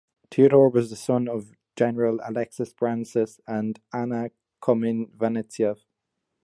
Theodore was the son of general Alexios Branas and of Anna Komnene Vatatzina.